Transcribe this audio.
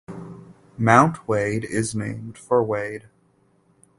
Mount Wade is named for Wade.